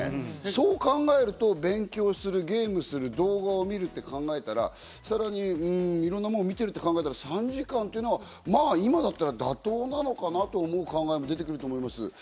そう考えると勉強する、ゲームする、動画を見ると考えたらさらにいろんなものを見ていると考えたら、３時間というのは、まぁ今だったら妥当なのかなと思う考えも出てくると思います。